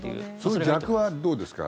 それ、逆はどうですか？